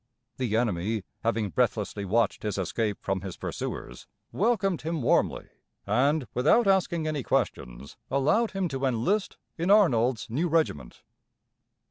The enemy, having breathlessly watched his escape from his pursuers, welcomed him warmly, and, without asking any questions, allowed him to enlist in Arnold's new regiment.